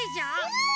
うん！